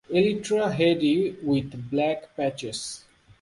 Elytra hairy with black patches.